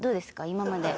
今まで。